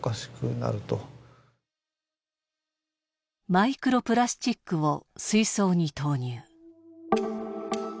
マイクロプラスチックを水槽に投入。